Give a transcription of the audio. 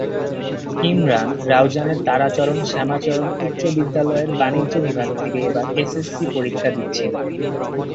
ইমরান রাউজানের তারাচরণ শ্যামাচরণ উচ্চবিদ্যালয়ের বাণিজ্য বিভাগ থেকে এবার এসএসসি পরীক্ষার দিচ্ছিল।